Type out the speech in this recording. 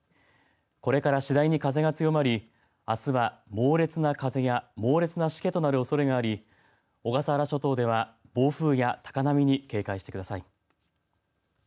これから次第に風が強まりあすは、猛烈な風や猛烈なしけとなるおそれがあり小笠原諸島では暴風や高波に警戒してください。